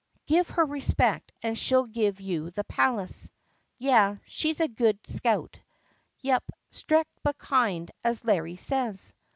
"Give her respect and she 'll give you the palace." "Yeah, she 's a good scout." "Yop, strict but kind, as Larry says."